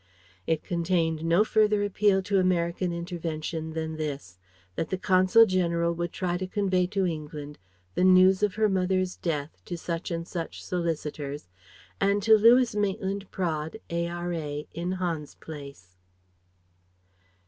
It contained no further appeal to American intervention than this: that the Consul General would try to convey to England the news of her mother's death to such and such solicitors, and to Lewis Maitland Praed A.R.A. in Hans Place.